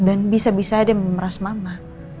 dan bisa bisa ada yang memeras mama